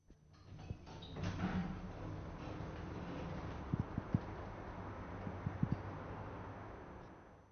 Pertenecía a una familia noble, y fue apoyado por el consejo de los seis.